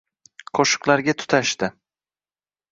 Qo’shiqlarga tutashdi.